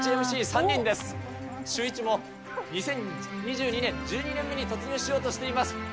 シューイチも２０２２年、１２年目に突入しようとしています。